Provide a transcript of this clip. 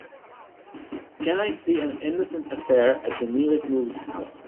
Can I see An Innocent Affair at the nearest movie house.